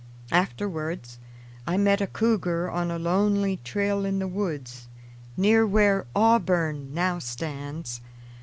Afterwards I met a cougar on a lonely trail in the woods near where Auburn now stands.